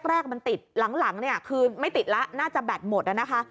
แรกมันติดหลังเนี่ยคือไม่ติดแล้วน่าจะแบตหมดนะคะ